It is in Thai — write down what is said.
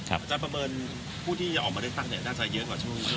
อาจารย์ประเมินผู้ที่จะออกมาเลือกตั้งน่าจะเยอะกว่าช่วง